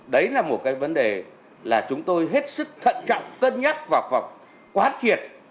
đấy là một cái vấn đề là chúng tôi hết sức thận trọng tân nhắc và quán truyệt